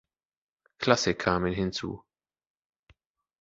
Klasse kamen hinzu.